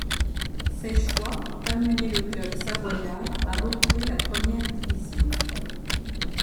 Ces choix ont amenés le club savoyard a retrouver la première division.